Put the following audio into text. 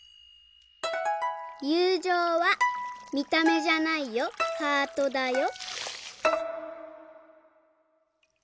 「ゆうじょうは見た目じゃないよハートだよ」。